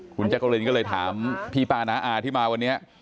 คุณจักรินก็เลยถามพี่ป้าน้าอาที่มาวันนี้